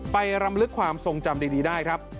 รำลึกความทรงจำดีได้ครับ